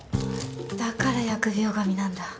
だから疫病神なんだ。